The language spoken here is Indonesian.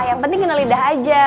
yang penting kenal lidah aja